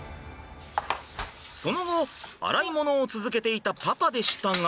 その後洗い物を続けていたパパでしたが。